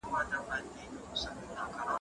د سترګو درد جدي ونيسه